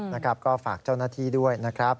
นะครับก็ฝากเจ้าหน้าที่ด้วยนะครับ